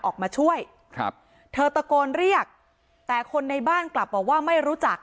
ออกมาช่วยครับเธอตะโกนเรียกแต่คนในบ้านกลับบอกว่าไม่รู้จัก